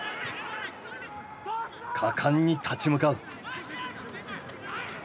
果敢に立ち向かう。